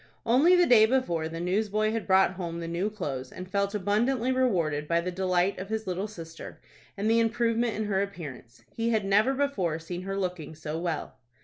Only the day before, the newsboy had brought home the new clothes, and felt abundantly rewarded by the delight of his little sister, and the improvement in her appearance. He had never before seen her looking so well.